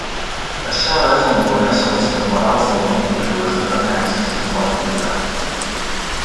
Això és on conèixer els temporals del nucli i les dependències ens pot ajudar.